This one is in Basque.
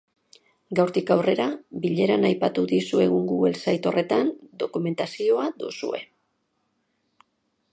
Gaurtik aurrera, bileran aipatu dizuegun google site horretan, dokumentazioa duzue.